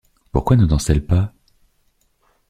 Pourquoi ne danse-t-elle pas?